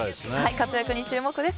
活躍に注目です。